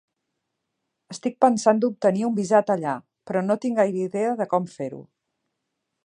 Estic pensant d'obtenir un visat allà, però no tinc gaire idea de com fer-ho.